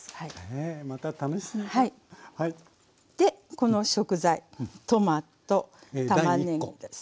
この食材トマトたまねぎですね。